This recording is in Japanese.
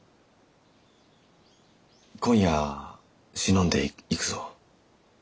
今夜忍んで行くぞ。